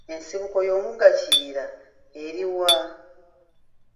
Ensibuko y'omugga Kiyira eri wa?